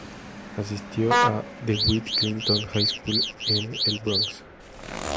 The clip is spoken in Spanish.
Asistió a la "DeWitt Clinton High School" en El Bronx.